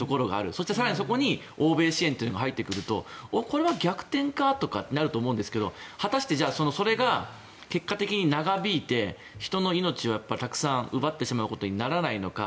そして更にそこに欧米支援が入ってくるとこれ逆転か？とかってなると思いますが果たしてそれが結果的に長引いて、人の命をたくさん奪ってしまうことにならないのか。